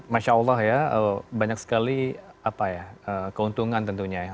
masya allah ya banyak sekali keuntungan tentunya ya